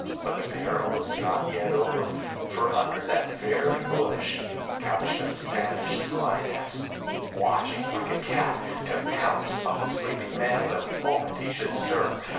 But the peril was not yet over, for under that very bush couched a famished lioness, watching like a cat, to pounce on the sleeping man the moment he should stir.